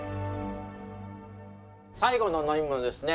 最後の呑み物ですね！